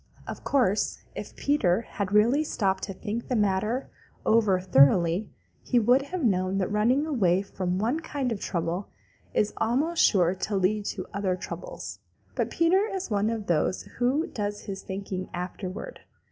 Of course if Peter had really stopped to think the matter over thoroughly he would have known that running away from one kind of trouble is almost sure to lead to other troubles. But Peter is one of those who does his thinking afterward.